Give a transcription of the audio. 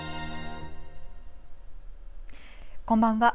こんばんは。